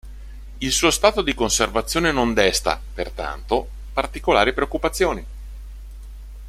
Il suo stato di conservazione non desta, pertanto, particolari preoccupazioni.